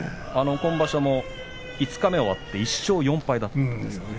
今場所も五日目を終わって１勝４敗だったんですよね。